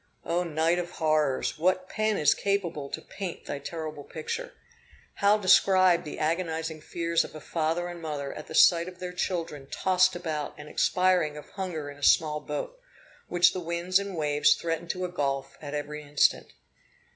O night of horrors! what pen is capable to paint thy terrible picture! How describe the agonizing fears of a father and mother, at the sight of their children tossed about and expiring of hunger in a small boat, which the winds and waves threatened to engulf at every instant!